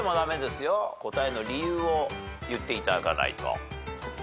答えの理由を言ってもらわないと。